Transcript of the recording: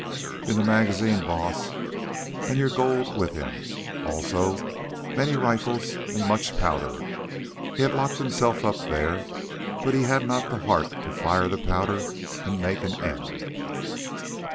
"In the magazine, Baas, and your gold with him, also many rifles and much powder. He had locked himself up there, but he had not the heart to fire the powder and make an end."